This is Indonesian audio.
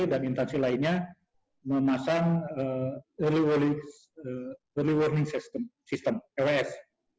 dan intansi lainnya memasang early warning system ews